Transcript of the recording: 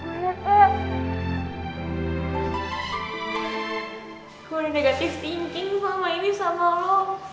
gue udah negatif thinking sama ini sama lo